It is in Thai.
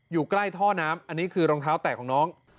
อยู่ใกล้ท่อน้ำอันนี้คือรองเท้าแตกของน้อง